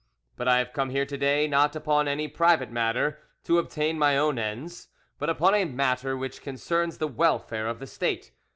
But I have come here to day not upon any private matter, to obtain my own ends, but upon a matter which concerns the welfare of the State.